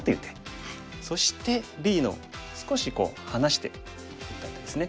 そしてＢの少し離して打った手ですね。